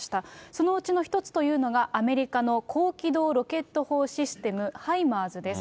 そのうちの一つというのが、アメリカの高機動ロケット砲システム、ハイマーズです。